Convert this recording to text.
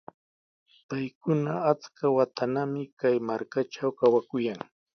Paykuna achka watanami kay markatraw kawakuyan.